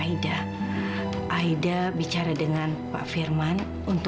ini adalah berapa waktu